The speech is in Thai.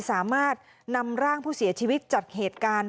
สามารถนำร่างผู้เสียชีวิตจัดเหตุการณ์